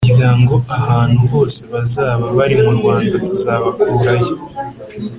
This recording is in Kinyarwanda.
Muryango ahantu hose bazaba bari mu Rwanda tuzabakurayo